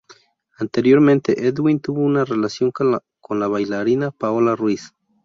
Anteriormente Edwin tuvo una relación con la bailarina Paola Ruiz.